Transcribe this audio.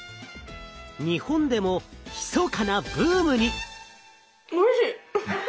日本でもひそかなブームに！